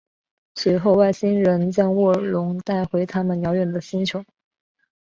随后外星人将沃尔隆带回他们遥远的星球。